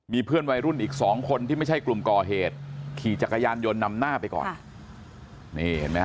มีเพื่อนวัยรุ่นอีก๒คนที่ไม่ใช่กลุ่มกอเหตุขี่จักรยานยนต์นำหน้าไปก่อน